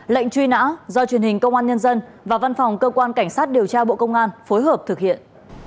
lệnh truy nã do truyền hình công an nhân dân và văn phòng cơ quan cảnh sát điều tra bộ công an phối hợp thực hiện